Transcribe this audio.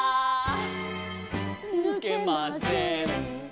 「ぬけません」